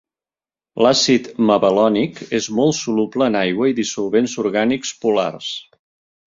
L'àcid mevalònic és molt soluble en aigua i dissolvents orgànics polars.